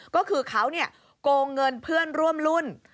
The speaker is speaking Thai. ก็คือเขาโกงเงินเพื่อนร่วมรุ่น